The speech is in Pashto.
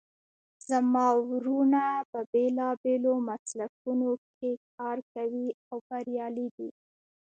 زما وروڼه په بیلابیلو مسلکونو کې کار کوي او بریالي دي